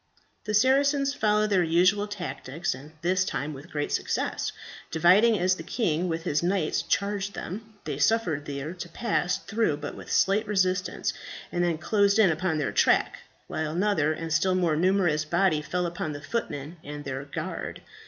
The Saracens followed their usual tactics, and this time with great success. Dividing as the king with his knights charged them, they suffered these to pass through with but slight resistance, and then closed in upon their track, while another and still more numerous body fell upon the footmen and their guard.